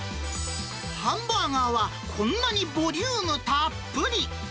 ハンバーガーは、こんなにボリュームたっぷり。